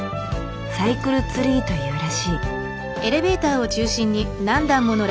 「サイクルツリー」というらしい。